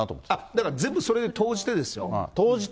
だから全部それを投じてですよ。